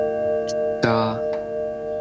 加